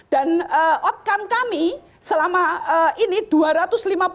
dan out come kami selama ini dua ratus lima puluh lima orang